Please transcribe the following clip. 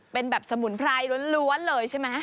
เป็นแบบสมุนไพรล้วนเลยใช่ไหม